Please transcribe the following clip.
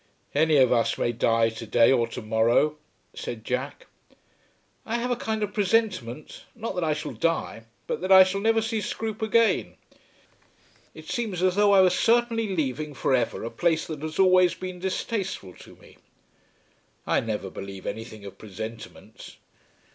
"Any of us may die to day or to morrow," said Jack. "I have a kind of presentiment, not that I shall die, but that I shall never see Scroope again. It seems as though I were certainly leaving for ever a place that has always been distasteful to me." "I never believe anything of presentiments."